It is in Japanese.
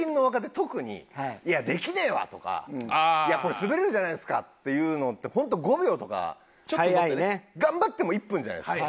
特に「いやできねえわ！」とか「これスベるじゃないですか！」っていうのってホント５秒とか頑張っても１分じゃないですか。